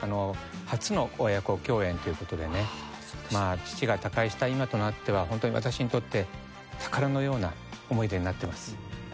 初の親子共演という事でね父が他界した今となっては本当に私にとって宝のような思い出になってます。